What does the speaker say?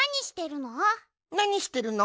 なにしてるの？